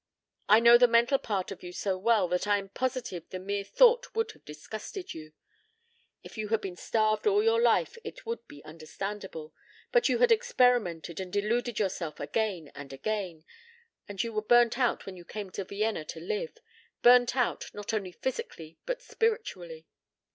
I know the mental part of you so well that I am positive the mere thought would have disgusted you. If you had been starved all your life it would be understandable, but you had experimented and deluded yourself again and again and you were burnt out when you came to Vienna to live burnt out, not only physically but spiritually.